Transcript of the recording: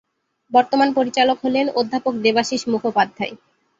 বর্তমান পরিচালক হলেন "অধ্যাপক দেবাশীষ মুখোপাধ্যায়"।